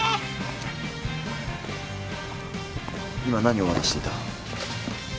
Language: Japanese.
今何を渡していた？